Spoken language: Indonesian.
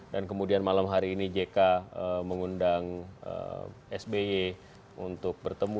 dan kemudian malam hari ini jk mengundang sby untuk bertemu